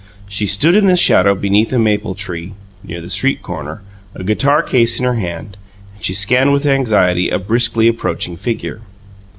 She stood in the shadow beneath a maple tree near the street corner, a guitar case in her hand; and she scanned with anxiety a briskly approaching figure.